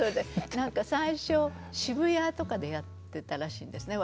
何か最初渋谷とかでやってたらしいんですね。